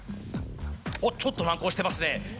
ちょっと難航してますね。